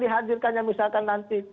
dihadirkan misalkan nanti